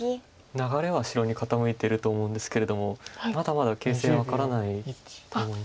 流れは白に傾いてると思うんですけれどもまだまだ形勢分からないと思います。